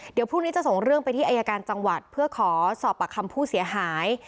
เดี๋ยวพรุ่งนี้จะส่งเรื่องไปที่อายการจังหวัดเพื่อขอสอบปากคำผู้เสียหาย